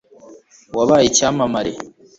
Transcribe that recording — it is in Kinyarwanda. wabaye icyamamare